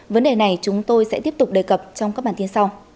vấn đề này chúng tôi sẽ tiếp tục đề cập trong các bản tin sau